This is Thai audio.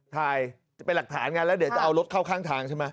จะเป็นหลักฐานไงแล้วเดี๋ยวจะเอารถเข้าข้างทางใช่ไหม